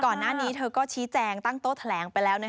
ก่อนหน้านี้เธอก็ชี้แจงตั้งโต๊ะแถลงไปแล้ว